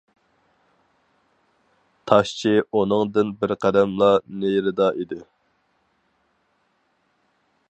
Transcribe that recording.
تاشچى ئۇنىڭدىن بىر قەدەملا نېرىدا ئىدى.